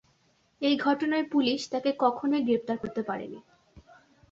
এই ঘটনায় পুলিশ তাকে কখনোই গ্রেপ্তার করতে পারেনি।